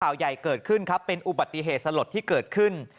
ข่าวใหญ่เกิดขึ้นครับเป็นอุบัติเหตุสลดที่เกิดขึ้น